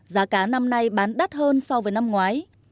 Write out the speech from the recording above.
giá cá năm nay bán đắt hơn so với năm ngoái